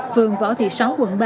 phường võ thị sáu quận ba